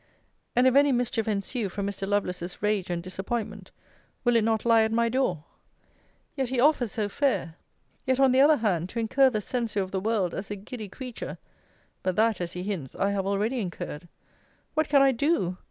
And if any mischief ensue from Mr. Lovelace's rage and disappointment, will it not lie at my door? Yet, he offers so fair! Yet, on the other hand, to incur the censure of the world, as a giddy creature but that, as he hints, I have already incurred What can I do?